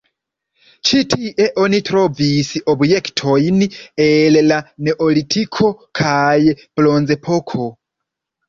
Ĉi tie oni trovis objektojn el la neolitiko kaj bronzepoko.